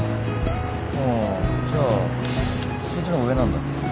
ああじゃあそっちの方が上なんだ。